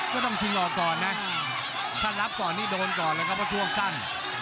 ต้องชิงออกก่อนนะถ้ารับก่อนนี่โดนก่อนเลยครับเพราะช่วงสั้น